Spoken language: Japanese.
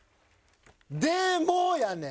でもやねんな！